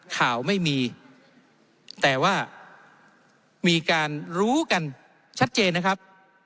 ข่าวไม่มีแต่ว่ามีการรู้กันชัดเจนนะครับ